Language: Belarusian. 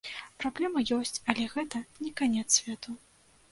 Праблема ёсць, але гэта не канец свету!